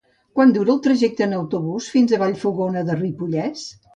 Quant dura el trajecte en autobús fins a Vallfogona de Ripollès?